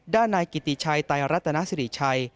ด้านนายกิติชัยไตรัตนาสิริชัย